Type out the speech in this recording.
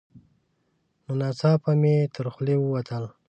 نو ناڅاپه مې تر خولې ووتل: